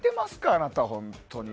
あなた本当に。